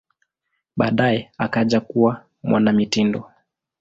Baadaye akaja kuwa mwanamitindo.